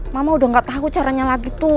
mama udah gak tahu caranya lagi tuh